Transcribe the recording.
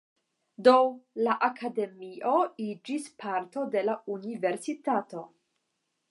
Do, la akademio iĝis parto de la universitato.